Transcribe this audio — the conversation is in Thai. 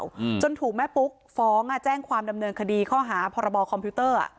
อืมจนถูกแม่ปุ๊กฟ้องอ่ะแจ้งความดำเนินคดีข้อหาพรบคอมพิวเตอร์อ่ะ